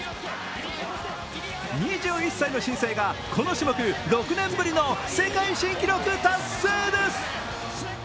２１歳の新星がこの種目、６年ぶりの世界新記録達成です。